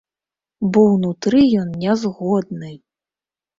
Бо ўнутры ён не згодны.